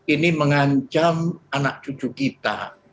ini mengancam anak cucu kita